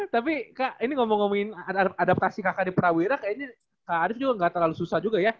tapi kak ini ngomong ngomongin adaptasi kakak di prawira kayaknya kak arief juga gak terlalu susah juga ya